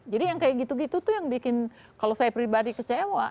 jadi yang kayak gitu gitu tuh yang bikin kalau saya pribadi kecewa